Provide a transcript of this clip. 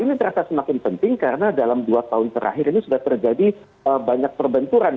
ini terasa semakin penting karena dalam dua tahun terakhir ini sudah terjadi banyak perbenturan